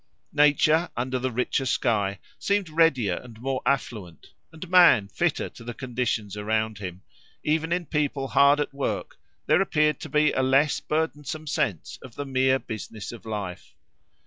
Nature, under the richer sky, seemed readier and more affluent, and man fitter to the conditions around him: even in people hard at work there appeared to be a less burdensome sense of the mere business of life.